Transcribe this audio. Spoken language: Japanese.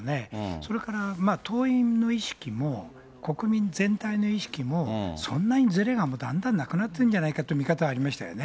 それから党員の意識も国民全体の意識も、そんなにずれが、だんだんなくなってるんじゃないかという見方はありましたよね。